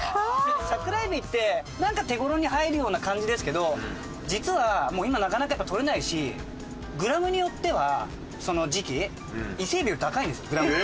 桜えびってなんか手頃に入るような感じですけど実は今なかなかとれないしグラムによってはその時期伊勢海老より高いんですよ。